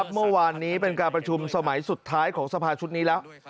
เมื่อวานนี้เป็นการประชุมสมัยสุดท้ายของสภาชุดนี้แล้ว